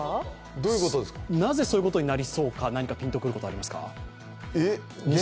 なぜそういうことになりそうか何かピンと来ることがありますか。